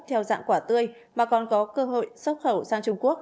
theo dạng quả tươi mà còn có cơ hội xuất khẩu sang trung quốc